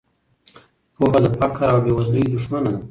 پوهه د فقر او بې وزلۍ دښمنه ده.